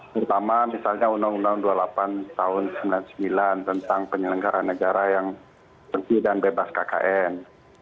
terutama misalnya undang undang dua puluh delapan tahun sembilan puluh sembilan tentang penyelenggara negara yang kecil dan bebas kkn